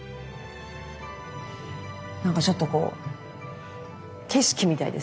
なんかちょっとこう景色みたいですね。